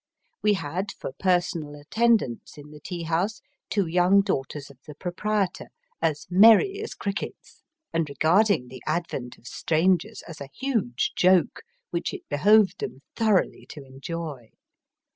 We had for personal attendants in the tea house two young daughters of the proprietor, as merry as crickets, and regarding the advent of strangers as a huge joke which it behoved them thoroughly to enjoy.